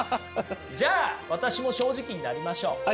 じゃあ私も正直になりましょう。